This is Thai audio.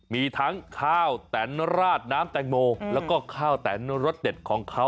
มีทั้งข้าวแตนราดน้ำแตงโมแล้วก็ข้าวแตนรสเด็ดของเขา